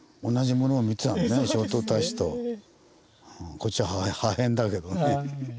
こっちは破片だけどね。